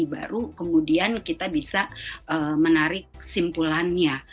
baru kemudian kita bisa menarik kesimpulannya